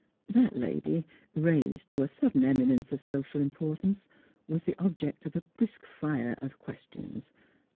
That lady, raised to a sudden eminence of social importance, was the object of a brisk fire of ques tions.